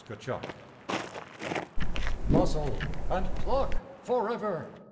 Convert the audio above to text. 4 Muscle and pluck forever!